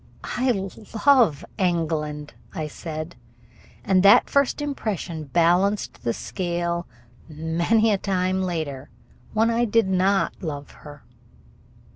"I love England," I said, and that first impression balanced the scale many a time later when I did not love her.